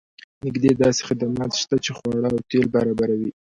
نږدې داسې خدمات شته چې خواړه او تیل برابروي